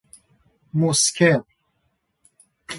مسکر